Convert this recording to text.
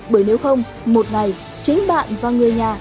bởi nếu không một ngày chính bạn và người nhà